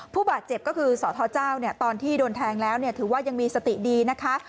ผู้บาดเจ็บก็คือสทเจ้าตอนที่โดนแทงแล้วถือว่ายังมีสติดีนะคะ